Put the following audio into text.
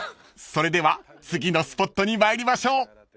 ［それでは次のスポットに参りましょう］